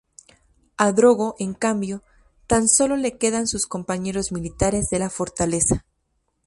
A Drogo, en cambio, tan sólo le quedan sus compañeros militares de la Fortaleza.